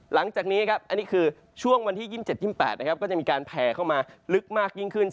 หลังจากนี้ครับนะนี่คือช่วง๒๗๒๘ก็จะมีการแผลเข้ามาลึกมากยิ่งขึ้น